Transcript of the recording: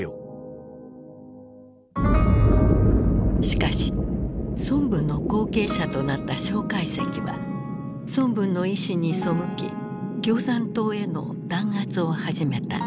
しかし孫文の後継者となった介石は孫文の遺志に背き共産党への弾圧を始めた。